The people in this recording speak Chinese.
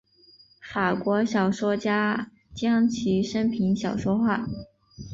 法国小说家将其生平小说化。